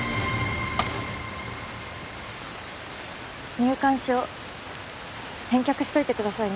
入館証返却しといてくださいね。